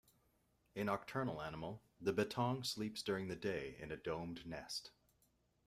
A nocturnal animal, the bettong sleeps during the day in a domed nest.